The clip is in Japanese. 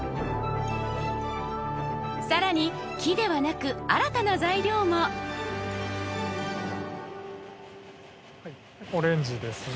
さらに木ではなく新たな材料もオレンジですね